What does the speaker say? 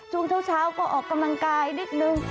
ช่วงเช้าก็ออกกำลังกายนิดนึง